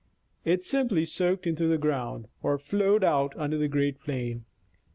It simply soaked into the ground, or flowed out under the great plain.